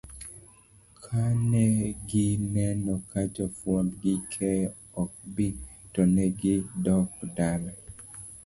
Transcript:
kanegineno ka jofwambo gi keyo ok bi tonegidokdala